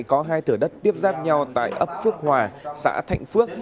có hai thửa đất tiếp giáp nhau tại ấp phước hòa xã thạnh phước